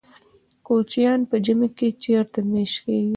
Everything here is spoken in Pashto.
کوچیان په ژمي کې چیرته میشت کیږي؟